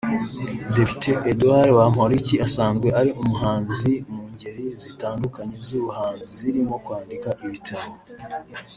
Depite Edouard Bamporiki asanzwe ari n’umuhanzi mu ngeri zitandukanye z’ubuhanzi zirimo kwandika ibitabo